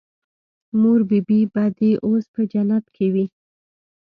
مور بي بي به دې اوس په جنت کښې وي.